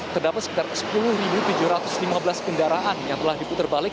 terdapat sekitar sepuluh tujuh ratus lima belas kendaraan yang telah diputar balik